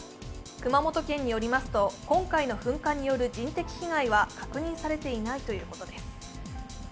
熊本県によりますと、今回の噴火による人的被害は確認されていないということです。